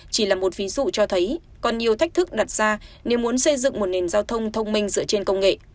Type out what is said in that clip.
chỉ là một ví dụ cho thấy còn nhiều thách thức đặt ra nếu muốn xây dựng một nền giao thông thông minh dựa trên công nghệ